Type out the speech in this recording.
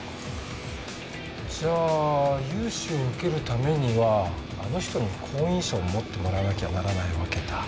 じゃあ融資を受けるためにはあの人に好印象を持ってもらわなきゃならないわけだ。